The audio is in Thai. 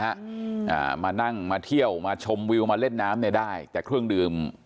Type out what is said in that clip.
อ่ามานั่งมาเที่ยวมาชมวิวมาเล่นน้ำเนี้ยได้แต่เครื่องดื่ม